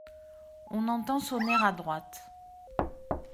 On entend sonner à droite.